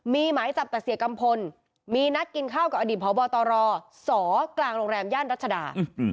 มีหมายจับแต่เสียกัมพลมีนัดกินข้าวกับอดีตพบตรสกลางโรงแรมย่านรัชดา